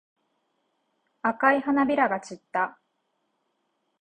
赤い花びらが散った。